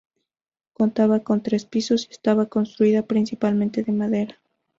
Contaba con tres pisos y estaba construida principalmente de madera.